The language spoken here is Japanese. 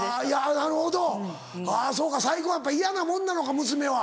なるほどそうか再婚はやっぱ嫌なもんなのか娘は。